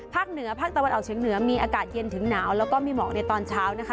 เหนือภาคตะวันออกเฉียงเหนือมีอากาศเย็นถึงหนาวแล้วก็มีหมอกในตอนเช้านะคะ